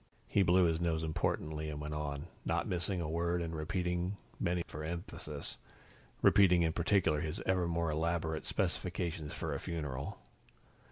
He blew his nose importantly and went on, not missing a word, and repeating many for emphasis repeating in particular his ever more elaborate specifications for a funeral.